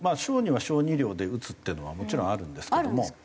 小児は小児量で打つっていうのはもちろんあるんですけども。